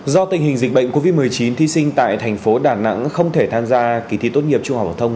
do tình hình dịch bệnh covid một mươi chín thí sinh tại thành phố đà nẵng không thể tham gia kỳ thi tốt nghiệp trung học phổ thông